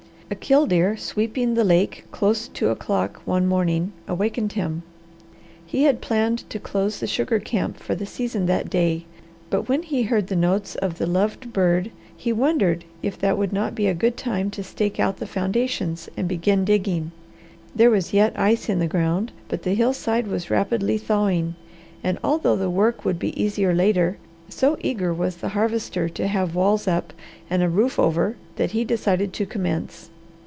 A killdeer sweeping the lake close two o'clock one morning awakened him. He had planned to close the sugar camp for the season that day, but when he heard the notes of the loved bird he wondered if that would not be a good time to stake out the foundations and begin digging. There was yet ice in the ground, but the hillside was rapidly thawing, and although the work would be easier later, so eager was the Harvester to have walls up and a roof over that he decided to commence.